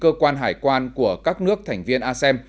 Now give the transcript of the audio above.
cao ủy cơ quan hải quan của các nước thành viên a sem